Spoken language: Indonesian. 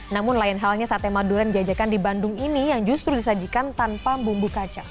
namun lain halnya sate madura yang dijajakan di bandung ini yang justru disajikan tanpa bumbu kacang